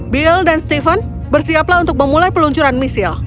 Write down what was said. bill dan stephen bersiaplah untuk memulai peluncuran misil